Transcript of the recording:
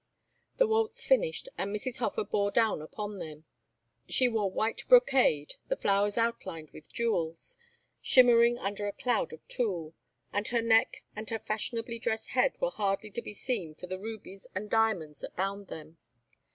The waltz finished and Mrs. Hofer bore down upon them. She wore white brocade, the flowers outlined with jewels, shimmering under a cloud of tulle, and her neck and her fashionably dressed head were hardly to be seen for the rubies and diamonds that bound them.